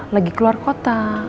lagi keluar kota